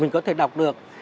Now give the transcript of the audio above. mình có thể đọc được